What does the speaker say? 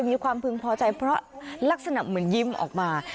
มีความพึงพอใจเพราะลักษณะเหมือนยิ้มออกมา